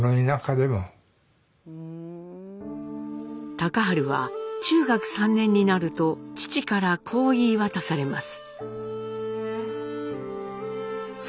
隆治は中学３年になると父からこう言い渡されます。